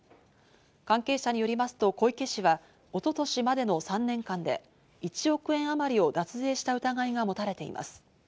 関係者によりますと小池氏は一昨年までの３年間で１億円あまりを脱税した疑いが持たれています。